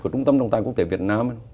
của trung tâm trọng tài quốc tế việt nam